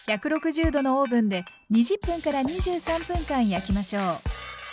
１６０℃のオーブンで２０分から２３分間焼きましょう。